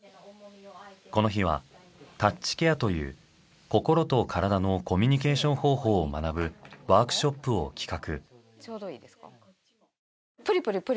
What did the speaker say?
この日はタッチケアという心と体のコミュニケーション方法を学ぶワークショップを企画。